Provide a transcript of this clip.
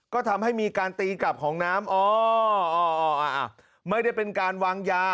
ก็ทำให้มีการตีกลับของน้ำอ๋ออ๋อไม่ได้เป็นการวางยา